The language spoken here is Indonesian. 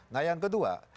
nah yang kedua